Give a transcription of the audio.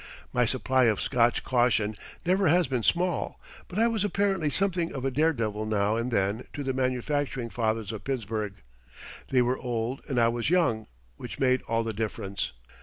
My supply of Scotch caution never has been small; but I was apparently something of a dare devil now and then to the manufacturing fathers of Pittsburgh. They were old and I was young, which made all the difference.